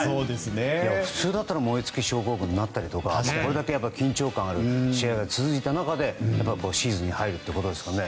普通だったら燃え尽き症候群になったりとかこれだけ緊張感ある試合が続いた中でシーズンに入るということですからね。